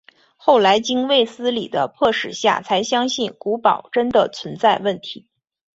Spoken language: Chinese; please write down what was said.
后来经卫斯理的迫使下才相信古堡真的存在问题。